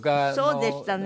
そうでしたね。